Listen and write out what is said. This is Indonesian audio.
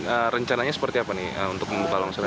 nah rencananya seperti apa nih untuk membuka longsor